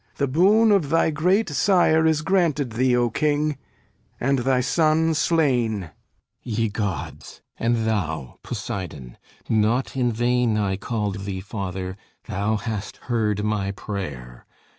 The boon of thy great Sire Is granted thee, O King, and thy son slain. THESEUS Ye Gods! And thou, Poseidon! Not in vain I called thee Father; thou hast heard my prayer!